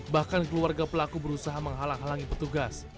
bahkan keluarga pelaku berusaha menghalangi petugas